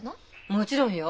もちろんよ。